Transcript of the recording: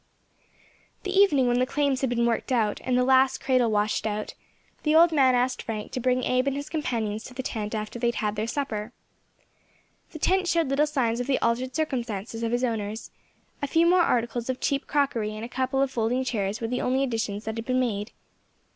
The evening when the claims had been worked out, and the last cradle washed out, the old man asked Frank to bring Abe and his companions to the tent after they had had their supper. The tent showed little signs of the altered circumstances of its owners; a few more articles of cheap crockery and a couple of folding chairs were the only additions that had been made.